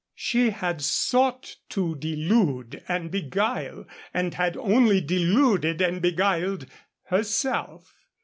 She had sought to delude and beguile, and had only deluded and beguiled herself.